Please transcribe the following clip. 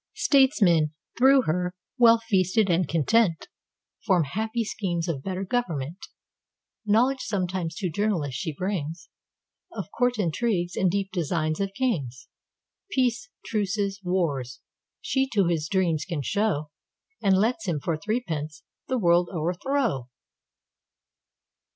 Statesmen, through her, well feasted and content, Form happy schemes of better government. Knowledge sometimes to journalists she bringsOf court intrigues, and deep designs of kings. Peace, truces, wars, she to his dreams can show, And lets him, for three pence, the world o'erthrow.